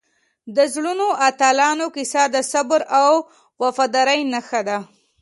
د زړورو اتلانو کیسه د صبر او وفادارۍ نښه ده.